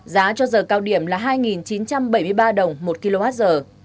giá cho giờ cao điểm là hai chín trăm bảy mươi ba đồng một kwh